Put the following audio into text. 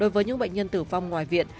với những bệnh nhân tử vong ngoài viện